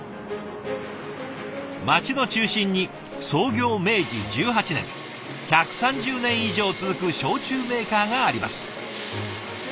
町の中心に創業明治１８年１３０年以上続く焼酎メーカーがあります。